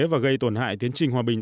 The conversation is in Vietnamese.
và gây tổn hại tiến trình hòa bình